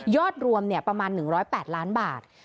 รวมประมาณ๑๐๘ล้านบาท